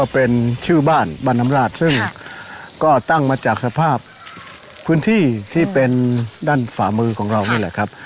เป็นชื่อบ้านบ้านน้ำลาดซึ่งก็ตั้งมาจากสภาพพื้นที่ที่เป็นด้านฝ่ามือของเรานี่แหละครับ